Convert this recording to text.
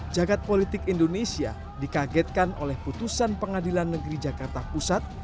jagad politik indonesia dikagetkan oleh putusan pengadilan negeri jakarta pusat